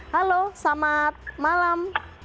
halo selamat malam